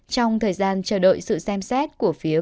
trong thời gian chờ đợi sự xem xét của phía